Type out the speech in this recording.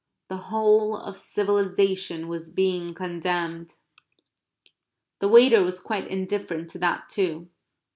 The whole of civilization was being condemned. The waiter was quite indifferent to that too.